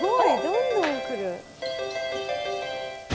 どんどん来る！